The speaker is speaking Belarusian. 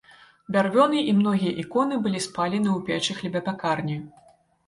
Бярвёны і многія іконы былі спалены ў печы хлебапякарні.